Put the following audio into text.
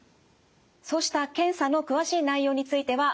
そうした検査の詳しい内容についてはホームページ